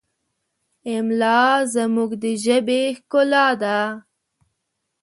املا زموږ د ژبې ښکلا ده.